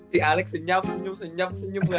si alex senyap senyap senyap senyap